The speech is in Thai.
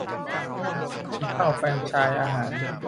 ชี้เป้าแฟรนไชส์อาหาร